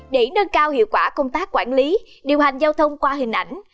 để nâng cao hiệu quả công tác quản lý điều hành giao thông qua hình ảnh